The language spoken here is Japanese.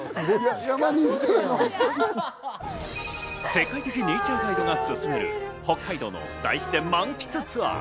世界的ネイチャーガイドが薦める北海道の大自然満喫ツアー。